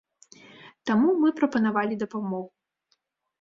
Таму мы прапанавалі дапамогу.